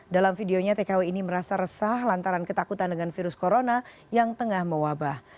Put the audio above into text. dalam videonya tkw ini merasa resah lantaran ketakutan dengan virus corona yang tengah mewabah